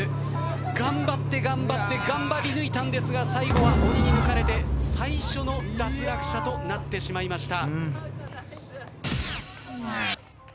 頑張って頑張って頑張り抜いたんですが最後は抜かれて最初の脱落者となってしまいました。